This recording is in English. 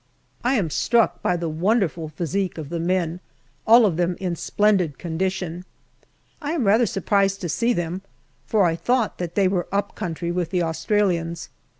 I am struck by the wonderful physique of the men, all of them in splendid condition. I am rather sur prised to see them, for I thought that they were up country with the Australians.